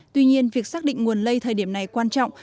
tuy nhiên việc xác định nguồn lây thời điểm này quan trọng